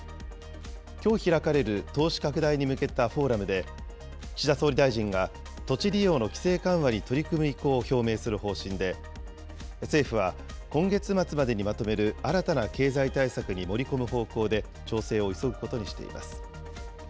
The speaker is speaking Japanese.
きょう開かれる投資拡大に向けたフォーラムで、岸田総理大臣が土地利用の規制緩和に取り組む意向を表明する方針で、政府は今月末までにまとめる新たな経済対策に盛り込む方向で調整を急ぐことにしています。